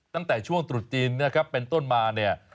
ตั้งแต่ช่วงตรุษจีนนะครับเป็นต้นมาเนี่ย